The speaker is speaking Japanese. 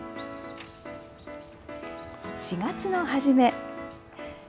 ４月の初め。